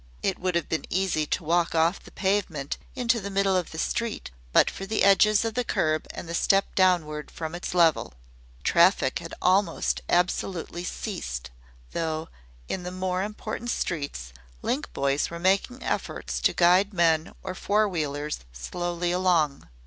It would have been easy to walk off the pavement into the middle of the street but for the edges of the curb and the step downward from its level. Traffic had almost absolutely ceased, though in the more important streets link boys were making efforts to guide men or four wheelers slowly along.